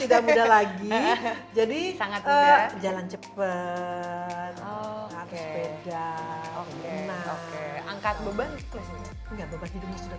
mudah mudah lagi jadi sangat jalan cepet oh oke beda oke angkat beban tidak beban hidup sudah